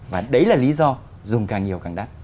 và đấy là lý do dùng càng nhiều càng đắt